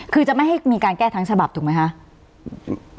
คือจะไม่มีการแก้ตั้งฉบับถูกมั้ยครับ